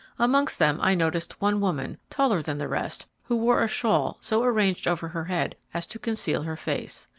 Amongst them I noticed one woman, taller than the rest, who wore a shawl so arranged over her head as to conceal her face.